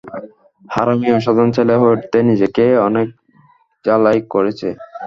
হারামি অসাধারণ ছেলে হয়ে উঠতে নিজেকে অনেক ঝালাই করেছে!